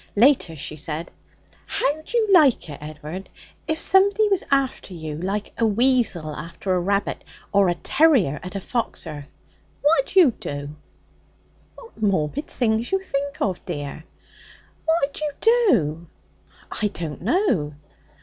Later, she said: 'How'd you like it, Ed'ard, if somebody was after you, like a weasel after a rabbit or a terrier at a fox earth? What'd you do?' 'What morbid things you think of, dear!' 'What'd you do?' 'I don't know.'